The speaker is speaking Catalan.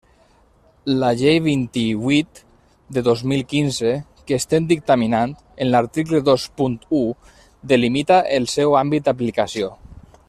La Llei vint-i-vuit de dos mil quinze, que estem dictaminant, en l'article dos punt u, delimita el seu àmbit d'aplicació.